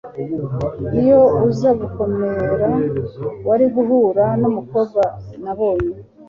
iyo uza gukomera, wari guhura numukobwa nabonye